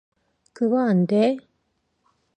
그건 안 돼.